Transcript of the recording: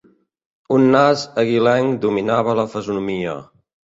Un nas aguilenc dominava la fesomia.